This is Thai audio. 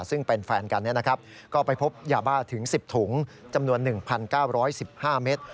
ซึ่งเป็นแฟนกันก็ไปพบยาบ้าถึง๑๐ถุงจำนวน๑๙๑๕เมตร